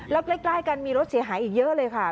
แล้วใกล้กันมีรถเสียหายอีกเยอะเลยค่ะ